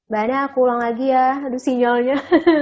bahannya aku ulang lagi ya aduh sinyalnya